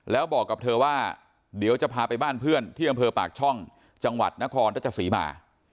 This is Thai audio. แล้วบอกกับเธอว่าเดี๋ยวจะพาไปบ้านเพื่อนที่อำเภอปากช่องจังหวัดนครรัชศรีมา